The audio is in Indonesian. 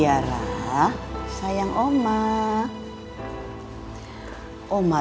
gak akan iya nya jalan